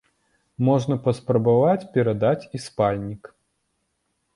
Можна паспрабаваць перадаць і спальнік.